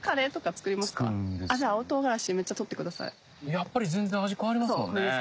やっぱり全然味変わりますもんね。